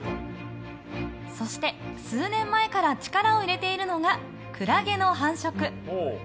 そして、数年前から力を入れているのがクラゲの繁殖。